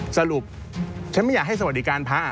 สรุปฉันไม่อยากให้สวัสดิการพระ